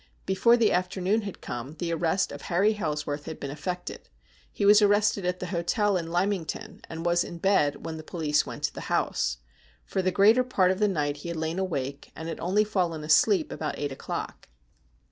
Before the afternoon had come the arrest of Harry Hailsworth had been effected. He was arrested at the hotel in Lymington, and was in bed when the police went to the house. For the greater part of the night he had lain awake, and had only fallen asleep about eight o'clock.